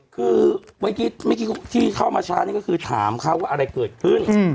คือเมื่อกี้ที่เข้ามาช้านี่ก็คือถามเขาว่าอะไรเกิดขึ้น